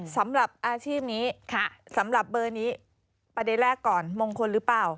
สำหรับอาชีพนี้สำหรับเบอร์นี้ประเด็นแรกก่อนมงคลหรือเปล่า